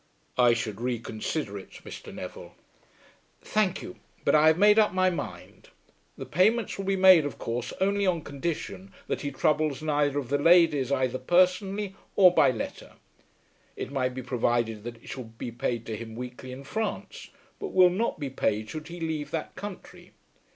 "I should reconsider it, Mr. Neville." "Thank you; but I have made up my mind. The payments will be made of course only on condition that he troubles neither of the ladies either personally or by letter. It might be provided that it shall be paid to him weekly in France, but will not be paid should he leave that country.